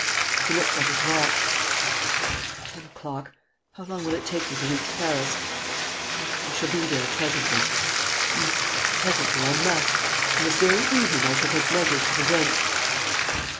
He looked at his watch: "Ten o'clock. ... How long will it take me to reach Paris? Well ... I shall be there presently ... yes, presently, I must. ... And this very evening I shall take measures to prevent.